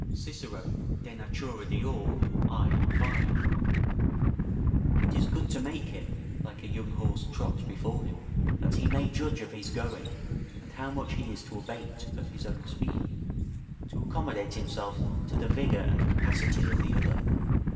Cicero, De Natura Deor., i. 5.] It is good to make him, like a young horse, trot before him, that he may judge of his going, and how much he is to abate of his own speed, to accommodate himself to the vigour and capacity of the other.